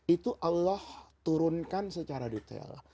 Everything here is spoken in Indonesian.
itu allah turunkan secara detail